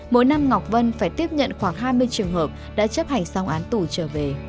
mỗi năm ngọc vân phải tiếp nhận khoảng hai mươi trường hợp đã chấp hành xong án tù trở về